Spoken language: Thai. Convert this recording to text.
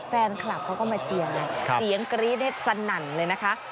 แฟนคลับเขาก็มาเชียร์ไงเสียงกรี๊ดสนั่นเลยนะคะ